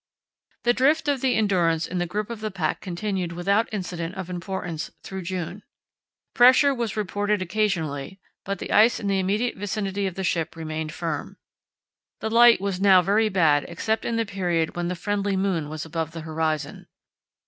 The drift of the Endurance in the grip of the pack continued without incident of importance through June. Pressure was reported occasionally, but the ice in the immediate vicinity of the ship remained firm. The light was now very bad except in the period when the friendly moon was above the horizon.